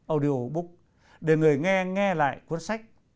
audio book để người nghe nghe lại cuốn sách